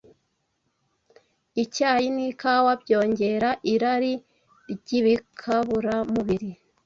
Icyayi n’ikawa byongera irari ry’ibikaburamubiri